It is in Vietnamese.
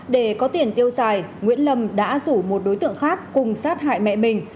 để có tiền tiêu xài nguyễn lâm đã rủ một đối tượng khác cùng sát hại mẹ mình